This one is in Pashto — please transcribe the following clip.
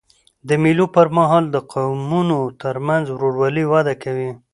د مېلو پر مهال د قومونو ترمنځ ورورولي وده کوي.